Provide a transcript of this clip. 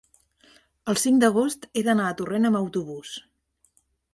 el cinc d'agost he d'anar a Torrent amb autobús.